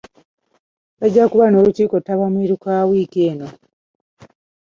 Bajja kuba n'olukiiko ttabamiruka wiiki eno.